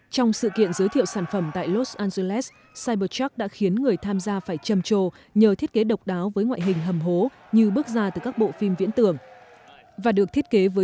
chào mừng quý vị đến với bộ phim của cybertruck